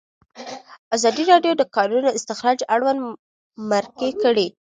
ازادي راډیو د د کانونو استخراج اړوند مرکې کړي.